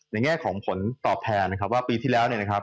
ในแง่ของผลตอบแพงว่าปีที่แล้ว